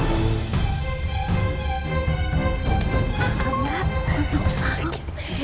mak aku sakit nek